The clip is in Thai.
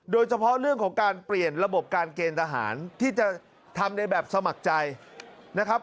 โดยเฉพาะเรื่องของการเปลี่ยนระบบการเกณฑ์ทหารที่จะทำได้แบบสมัครใจนะครับ